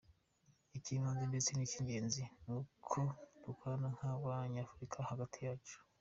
Icy’ibanze ndetse cy’ingenzi ni uko dukorana nk’abanyafurika hagati yacu.